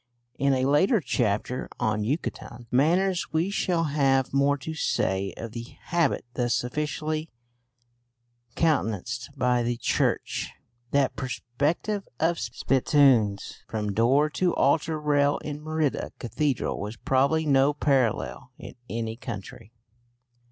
In a later chapter on Yucatecan manners we shall have more to say of the habit thus officially countenanced by the Church. That perspective of spittoons from door to altar rail in Merida Cathedral has probably no parallel in any country.